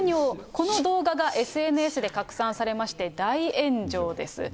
この動画がＳＮＳで拡散されまして、大炎上です。